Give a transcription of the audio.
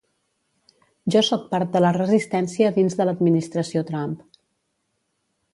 Jo sóc part de la resistència dins de l’administració Trump.